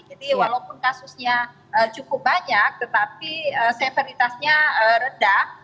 walaupun kasusnya cukup banyak tetapi severitasnya rendah